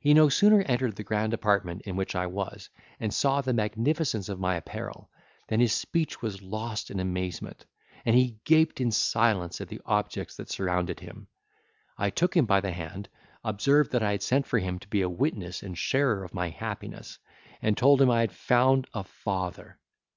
He no sooner entered the grand apartment in which I was, and saw the magnificence of my apparel, than his speech was lost in amazement, and he gaped in silence at the objects that surrounded him. I took him by the hand, observed that I had sent for him to be a witness and sharer of my happiness, and told him I had found a father.